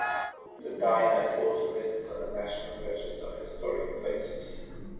The diner is also listed on the National Register of Historic Places.